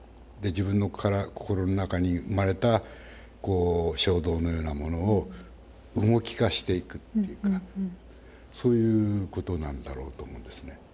で自分の心の中に生まれた衝動のようなものを動き化していくっていうかそういうことなんだろうと思うんですね。